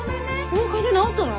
もう風邪治ったの？